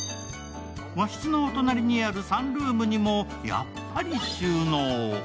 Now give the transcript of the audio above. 和室の隣にあるサンルームにもやっぱり収納。